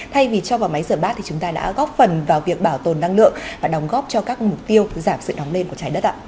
thay vì cho vào máy rửa bát thì chúng ta đã góp phần vào việc bảo tồn năng lượng và đóng góp cho các mục tiêu giảm sự nóng lên của trái đất ạ